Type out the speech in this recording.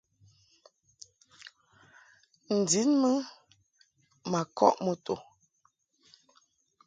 N-din mɨ ma kɔʼ moto.